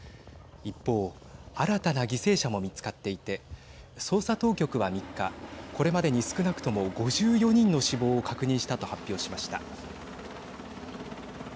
一方新たな犠牲者も見つかっていて捜査当局は３日これまでに少なくとも５４人の死亡を確認したと発表しました。